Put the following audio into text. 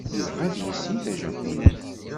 Yebɣa ad yissin tajapunit.